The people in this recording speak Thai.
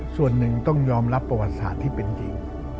ส่วนหนึ่งต้องยอมรับประวัติศาสตร์ที่เป็นจริง